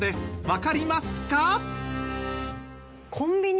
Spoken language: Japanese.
わかりますか？